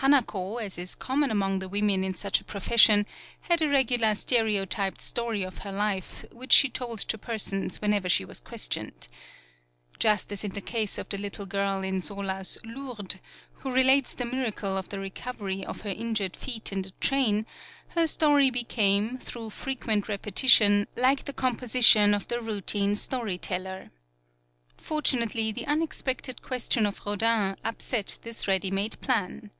'* Hanako, as is common among the women in such a profession, had a regu lar stereotyped story of her life, which 43 PAULOWNIA she told to persons whenever she was questioned. Just as in the case of the little girl in Zola's "Lourdes," who re lates the miracle of the recovery of her injured feet in the train, her story be came, through frequent repetition, like the composition of the routine story teller. Fortunately, the unexpected question of Rodin upset this ready made plan.